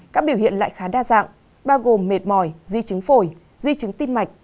các biểu hiện lại khá đa dạng bao gồm mệt mỏi di chứng phổi di chứng tim mạch